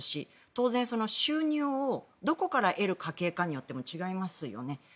当然、収入をどこから得る家庭かによって違いますよね。